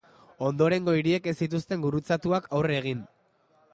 Ondorengo hiriek ez zituzten gurutzatuak aurre egin.